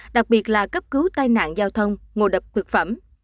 đặc biệt là cấp cứu tai nạn giao thông ngộ đập thực phẩm